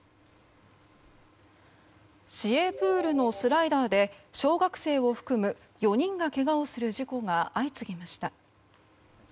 市営プールのスライダーで小学生を含む４人がけがをする事故が相次ぎました。